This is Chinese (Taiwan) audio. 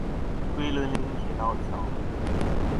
龜崙嶺鐵道橋